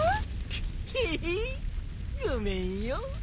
ヘヘッごめんよ。